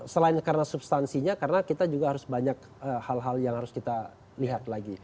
selain karena substansinya karena kita juga harus banyak hal hal yang harus kita lihat lagi